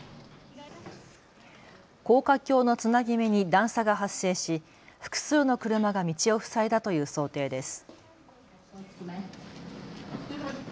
高架橋のつなぎ目に段差が発生し複数の車が道を塞いだという想定です。